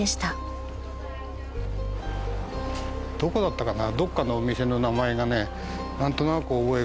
どこだったかな？